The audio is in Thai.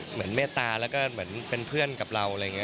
เมตตาแล้วก็เหมือนเป็นเพื่อนกับเราอะไรอย่างนี้